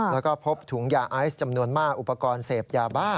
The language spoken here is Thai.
แล้วก็พบถุงยาไอซ์จำนวนมากอุปกรณ์เสพยาบ้า